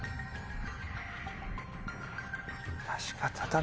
確か。